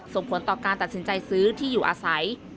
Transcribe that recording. ส่งผลต่อการตัดสินใจซื้อที่อยู่อาศัย